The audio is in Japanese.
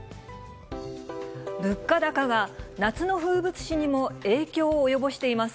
物価高が夏の風物詩にも影響を及ぼしています。